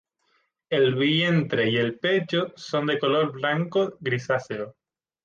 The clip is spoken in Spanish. El vientre y el pecho son de color blanco grisáceo.